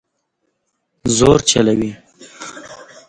زور چلوي